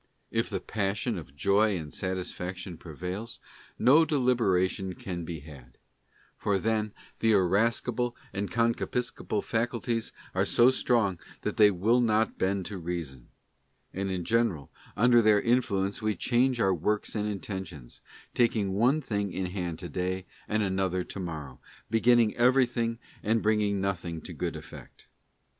If the passion of Joy and satisfaction prevails, no deliberation can be had; for then the irascible and concupiscible faculties are so strong that they will not bend to Reason; and, in general, under their influence we change our works and intentions, taking one thing in hand to day and another to morrow, beginning everything and bringing nothing to good effect.